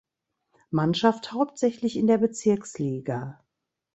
Mannschaft hauptsächlich in der Bezirksliga.